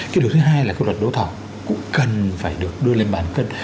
cái điều thứ hai là cái luật đấu thẩm cũng cần phải được đưa lên bàn cân